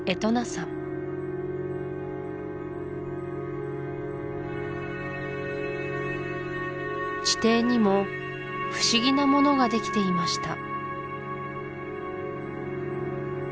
山地底にも不思議なものができていました